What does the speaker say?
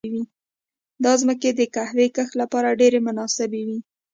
دا ځمکې د قهوې کښت لپاره ډېرې مناسبې وې.